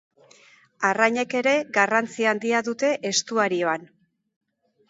Arrainek ere garrantzi handia dute estuarioan.